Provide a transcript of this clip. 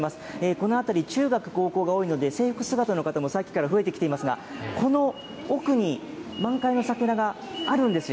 この辺り、中学、高校が多いので、制服姿の方もさっきから増えてきていますが、この奥に満開の桜が中にある？